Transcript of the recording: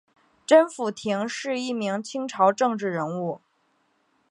甄辅廷是一名清朝政治人物。